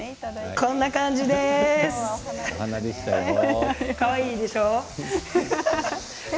こんな感じですかわいいでしょ？